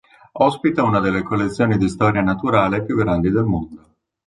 Ospita una delle collezioni di storia naturale più grandi del mondo.